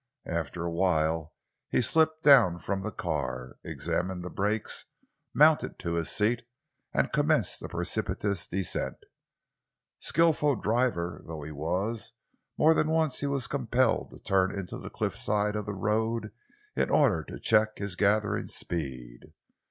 After a while he slipped down from the car, examined the brakes, mounted to his seat and commenced the precipitous descent. Skilful driver though he was, more than once he was compelled to turn into the cliff side of the road in order to check his gathering speed.